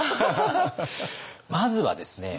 まずはですね